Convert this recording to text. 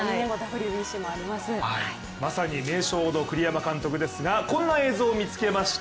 まさに名将の栗山監督ですがこんな映像を見つけました。